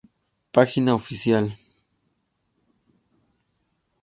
Página official